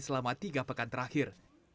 selama tiga pekan terakhir